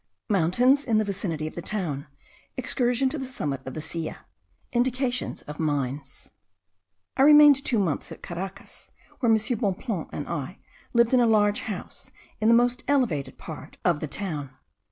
MOUNTAINS IN THE VICINITY OF THE TOWN. EXCURSION TO THE SUMMIT OF THE SILLA. INDICATIONS OF MINES. I remained two months at Caracas, where M. Bonpland and I lived in a large house in the most elevated part of the town.